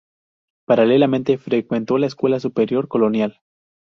Paralelamente frecuentó la Escuela Superior Colonial.